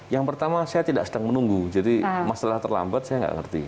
yang pertama saya tidak sedang menunggu jadi masalah terlambat saya nggak ngerti